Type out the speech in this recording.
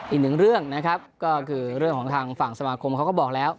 อีกหนึ่งเรื่องนะครับก็คือเรื่องของทางฝั่งสมาคมเขาก็บอกแล้ว